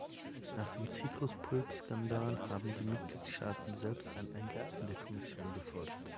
Nach dem Zitruspulpeskandal haben die Mitgliedstaaten selbst ein Eingreifen der Kommission gefordert.